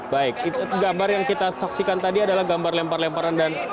baik gambar yang kita saksikan tadi adalah gambar lempar lemparan dan